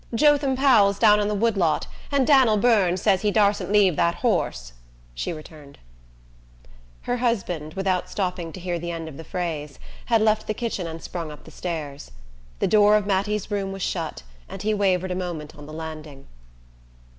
"Jotham Powell's down in the wood lot, and Dan'l Byrne says he darsn't leave that horse," she returned. Her husband, without stopping to hear the end of the phrase, had left the kitchen and sprung up the stairs. The door of Mattie's room was shut, and he wavered a moment on the landing.